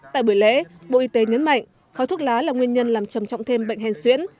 tại buổi lễ bộ y tế nhấn mạnh khói thuốc lá là nguyên nhân làm trầm trọng thêm bệnh hèn xuyễn